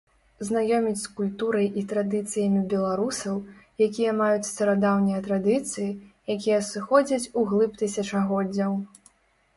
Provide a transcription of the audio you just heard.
Знаёміць з культурай і традыцыямі беларусаў, якія маюць старадаўнія традыцыі, якія сыходзяць углыб тысячагоддзяў.